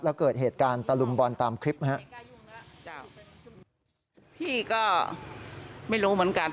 แล้วเกิดเหตุการณ์ตะลุมบอลตามคลิปนะฮะ